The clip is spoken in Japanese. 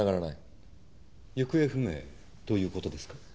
行方不明ということですか？